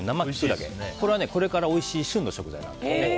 これは、これからおいしい旬の食材です。